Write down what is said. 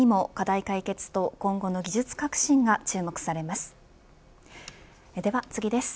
そのためにも課題解決と今後の技術革新が注目されます。